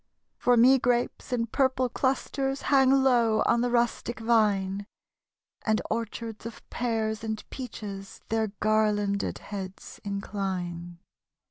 For me grapes in purple clusters Hang low on the rustic vine; And orchards of pears and peaches Their garlanded heads incline.